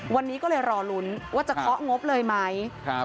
วันนี้ก็เลยรอลุ้นว่าจะเคาะงบเลยไหม